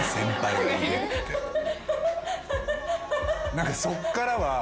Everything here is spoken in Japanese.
何かそっからは。